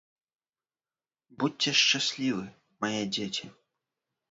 Будзьце шчаслівы, мае дзеці.